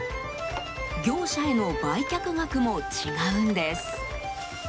業者への売却額も違うんです。